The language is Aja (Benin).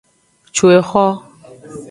Cu exo.